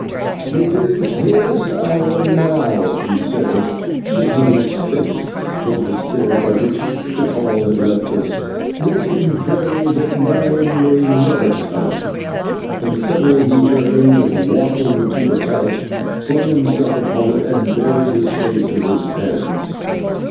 "It is his hour now," he said, shaking his fist towards the stair by which Tikal had left us, "but let him pray that mine may never come," and suddenly he turned and, walking to a couch, flung himself upon it and buried his face in his hands.